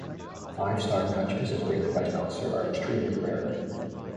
Five-star matches, as rated by Meltzer, are extremely rare.